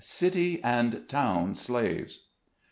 CITY AND TOWN SLAVES.